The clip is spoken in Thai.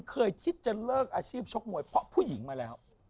เขาบอกว่าเป็นคนช่วยกับผู้หญิงมาแล้ว